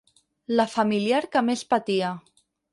La familiar que més patia.